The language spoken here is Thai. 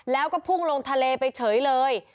แล้วก็พุ่งลงทะเลไปเฉยเลย